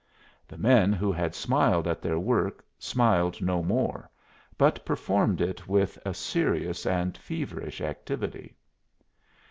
The men who had smiled at their work smiled no more, but performed it with a serious and feverish activity.